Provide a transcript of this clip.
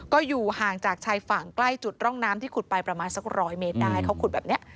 ก็อยู่ห่างจากชายฝั่งใกล้จุดร่องน้ำที่ขุดไปประมาณสักร้อยเมตรได้เขาขุดแบบนี้